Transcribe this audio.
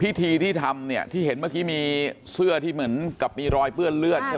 พิธีที่ทำเนี่ยที่เห็นเมื่อกี้มีเสื้อที่เหมือนกับมีรอยเปื้อนเลือดใช่ไหม